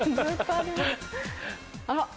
あら？